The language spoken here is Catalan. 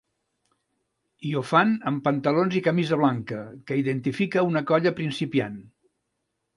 I ho fan amb pantalons i camisa blanca, que identifica una colla principiant.